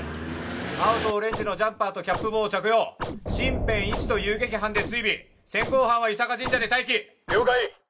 青とオレンジのジャンパーとキャップ帽を着用シンペン１と遊撃班で追尾先行班は伊坂神社で待機了解